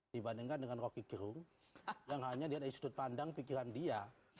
dibandingkan dengan rocky kirung yang hanya dia ada istudut pandang pikiran dia